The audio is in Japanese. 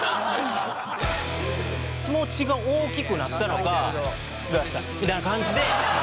気持ちが大きくなったのかどうもあざぁしたっみたいな感じで。